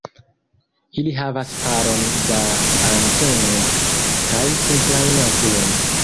Ili havas paron da antenoj kaj simplajn okulojn.